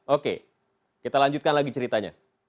oke kita lanjutkan lagi ceritanya